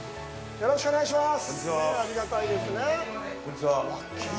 よろしくお願いします。